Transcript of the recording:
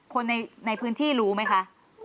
คนในพื้นที่รู้ไหมคะ